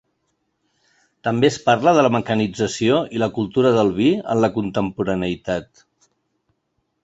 També es parla de la mecanització i la cultura del vi en la contemporaneïtat.